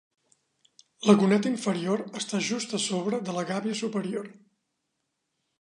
La goneta inferior està just a sobre de la gàbia superior.